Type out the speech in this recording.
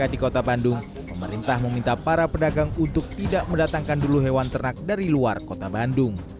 untuk mengantisipasi penambahan kasus pmk di kota bandung pemerintah meminta para pedagang untuk tidak mendatangkan dulu hewan ternak dari luar kota bandung